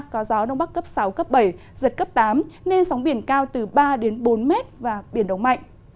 có gió đông bắc cấp sáu cấp bảy giật cấp tám nên sóng biển cao từ ba đến bốn mét và biển động mạnh